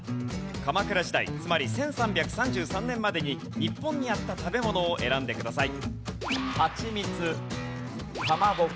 鎌倉時代つまり１３３３年までに日本にあった食べ物を選んでください。